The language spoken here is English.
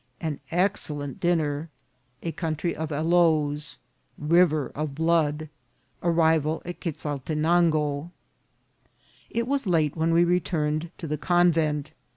— An excellent Dinner. — A Country of Aloes. —" River of Blood." — Arrival at Quezaltenango. IT was late when we returned to the convent.